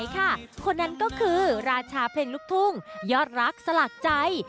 คนนั้นก็คือราชาเพลงลูกทุ่งยอดรักสลักใจ